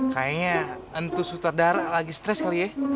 kayanya entuh sutradara lagi stress kali ya